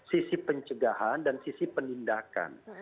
sisi pencegahan dan sisi penindakan